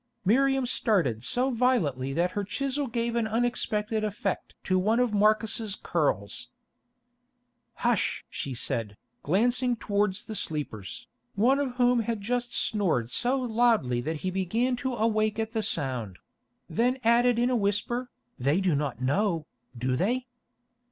Miriam started so violently that her chisel gave an unexpected effect to one of Marcus's curls. "Hush!" she said, glancing towards the sleepers, one of whom had just snored so loudly that he began to awake at the sound; then added in a whisper, "They do not know, do they?"